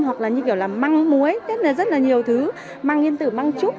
hoặc là như kiểu là măng muối rất là nhiều thứ măng yên tử măng trúc